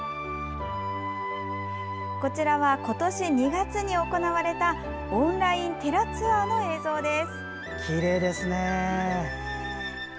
こちらは今年２月に行われたオンライン寺ツアーの映像です。